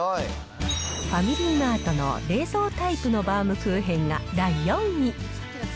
ファミリーマートの冷蔵タイプのバウムクーヘンが第４位。